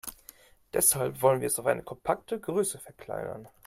Deshalb wollen wir es auf eine kompakte Größe verkleinern.